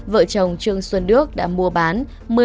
vợ chồng trương xuân đức đã mua bán một mươi năm sáu trăm bảy mươi tám